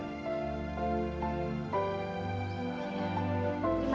saya mau pergi ke rumah